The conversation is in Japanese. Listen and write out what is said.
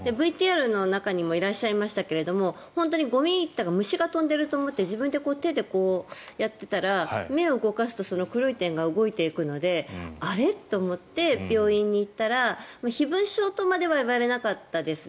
ＶＴＲの中にもいらっしゃいましたけど本当にゴミ虫が飛んでいると思って自分で手でやっていたら目を動かすとその黒い点が動いていくのであれ？と思って病院に行ったら飛蚊症とまでは言われなかったです。